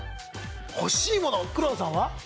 欲しいもの黒田さんは？